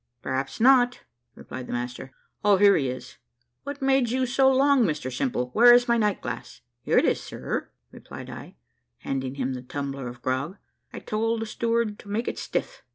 "Perhaps not," replied the master. "O, here he is. What made you so long, Mr Simple where is my night glass?" "Here it is, sir," replied I, handing him the tumbler of grog; "I told the steward to make it stiff."